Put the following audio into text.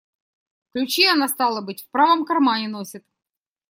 Ключи она, стало быть, в правом кармане носит.